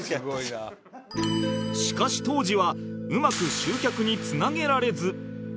しかし当時はうまく集客につなげられず